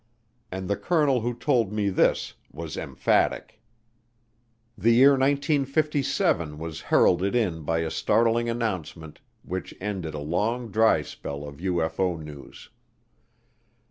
And the colonel who told me this was emphatic. The year 1957 was heralded in by a startling announcement which ended a long dry spell of UFO news.